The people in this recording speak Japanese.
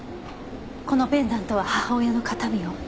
このペンダントは母親の形見よ。